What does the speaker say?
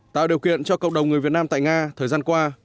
tạo điều kiện cho cộng đồng người việt nam tại nga thời gian qua